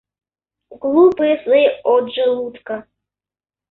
Глупые сны от желудка.